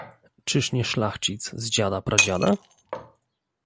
"Czyż nie szlachcic z dziada, pradziada?..."